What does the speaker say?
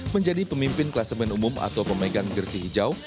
menjadi pemimpin kelasemen umum atau pemegang jersi hijau